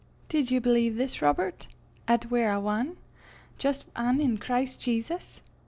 "Div ye believe this, Robert 'at we're a' ane, jist ane, in Christ Jesus?"